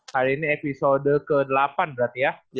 hari ini episode ke delapan berarti ya